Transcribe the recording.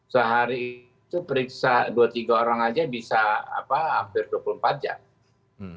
sehari itu periksa dua tiga orang saja bisa hampir dua puluh empat jam